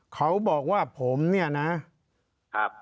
เขาบอกว่าผมเนี่ยนะครับ